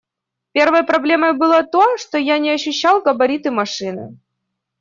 Первой проблемой было то, что я не ощущал габариты машины.